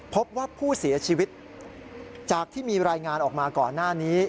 พบว่าผู้เสียชีวิตจากที่มีรายงานออกมาก่อนหน้านี้